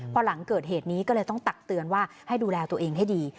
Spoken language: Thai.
พอหลังเกิดเหตุนี้ก็เลยต้องตักเตือนว่าให้ดูแลตัวเองให้ดี